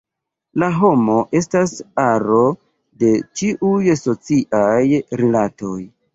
La homo estas aro de ĉiuj sociaj rilatoj.